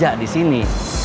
dia kerja di sini